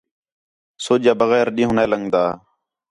سُج آ بغیر ݙِین٘ہوں نے لنڳدا